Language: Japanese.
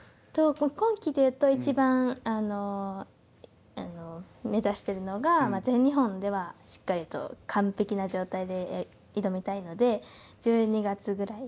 今季でいうといちばん目指しているのが全日本ではしっかりと完璧な状態で挑みたいので１２月ぐらい。